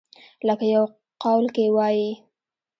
لکه يو قول کښې وائي ۔